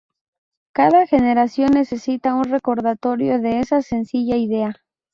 Cada generación necesita un recordatorio de esa sencilla idea.